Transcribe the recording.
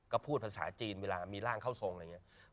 ก็พูดภาษาจีนเวลามีร่างเข้าทรงอะไรอย่างนี้